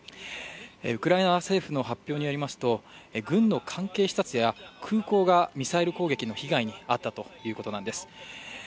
ウクライナ政府の発表によりますと、軍の関係施設や空港がミサイル攻撃の被害に遭ったということなんです。